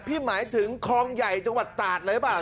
หมายถึงคลองใหญ่จังหวัดตาดเลยหรือเปล่า